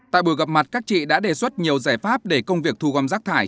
tại buổi gặp mặt các chị đã đề xuất nhiều giải pháp để công việc thu gom rác thải